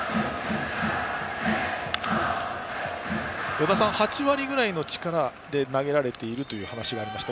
与田さん、８割ぐらいの力で投げられているという話がありました。